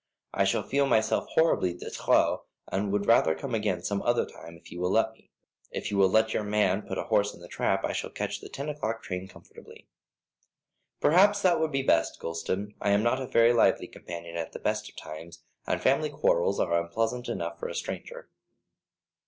I shall feel myself horribly de trop, and would rather come again some other time if you will let me. If you will let your man put a horse in the trap I shall catch the ten o'clock train comfortably." "Perhaps that would be best, Gulston. I am not a very lively companion at the best of times, and family quarrels are unpleasant enough for a stranger."